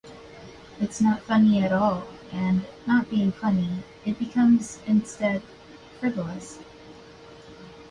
It's not funny at all and, not being funny, it becomes, instead, frivolous.